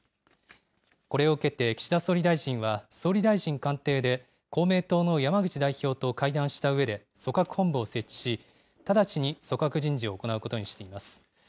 これを受けて、岸田総理大臣は総理大臣官邸で、公明党の山口代表と会談したうえで、組閣本部を設置し、直ちに組閣人事を行うことにしています。